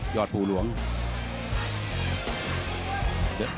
ยอดภูรวงศ์